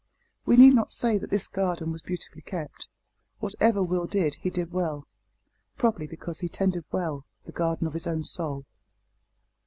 We need not say that this garden was beautifully kept. Whatever Will did he did well probably because he tended well the garden of his own soul.